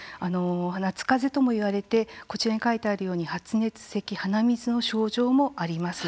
夏かぜともいわれてこちらに書いてあるように発熱、せき、鼻水の症状もあります。